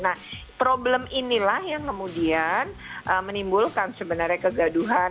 nah problem inilah yang kemudian menimbulkan sebenarnya kegaduhan